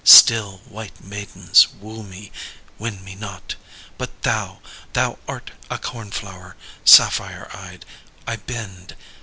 Still white maidens woo me, Win me not! But thou! Thou art a cornflower Sapphire eyed! I bend!